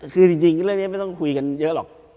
คือจริงเรื่องนี้ไม่ต้องคุยกันเยอะหรอก